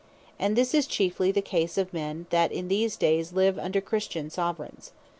And this is chiefly the case of men, that in these days live under Christian Soveraigns.